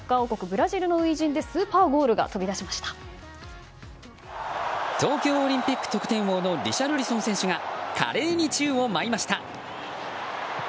ブラジルの初陣で東京オリンピック得点王のリシャルリソン選手が華麗に宙を舞いました。